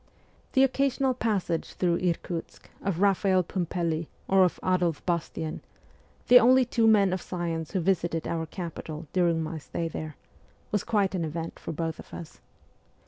The occasional passage through Irkutsk of Raphael Pumpelly or of Adolph Bastian the only two men of science who visited our capital during my stay there was quite an event for both of us.